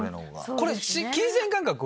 これ金銭感覚は。